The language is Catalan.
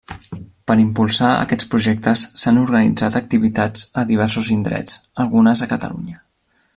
Per impulsar aquests projectes s'han organitzat activitats a diversos indrets, algunes a Catalunya.